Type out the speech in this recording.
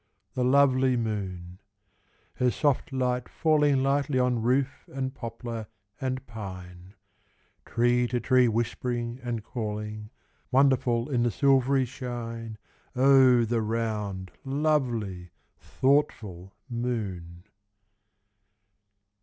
The lovely moon: her soft light falling Lightly on roof and poplar and pine Tree to tree whispering and calling, Wonderful in the silvery shine Of the round, lovely, thoughtful moon.